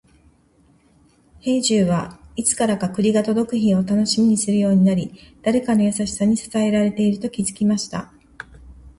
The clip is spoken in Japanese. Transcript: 兵十は、いつからか栗が届く日を楽しみにするようになり、誰かの優しさに支えられていると気づきました。